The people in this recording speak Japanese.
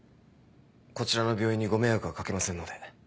こちらの病院にご迷惑はかけませんので。